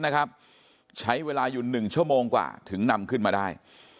ใช้เวลาอยู่๑ชั่วโมงกว่าถึงนำขึ้นมาได้